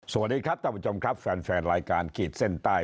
สวัสดีครับท่านผู้ชมครับแฟนแฟนรายการขีดเส้นใต้